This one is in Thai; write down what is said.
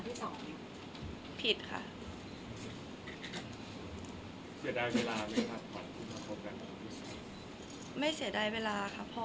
คนเราถ้าใช้ชีวิตมาจนถึงอายุขนาดนี้แล้วค่ะ